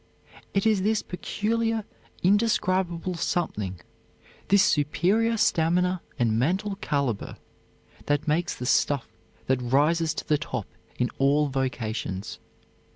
It is this peculiar, indescribable something; this superior stamina and mental caliber, that makes the stuff that rises to the top in all vocations.